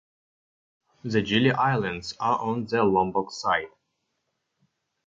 The Gili Islands are on the Lombok side.